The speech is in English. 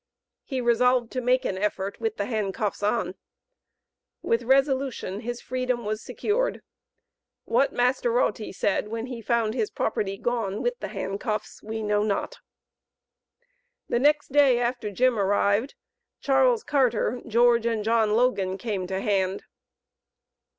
He resolved to make an effort with the handcuffs on. With resolution his freedom was secured. What Master Rautty said when he found his property gone with the handcuffs, we know not. The next day after Jim arrived, Charles Carter, George and John Logan came to hand.